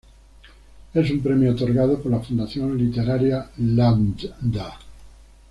Es un premio otorgado por la Fundación literaria lambda.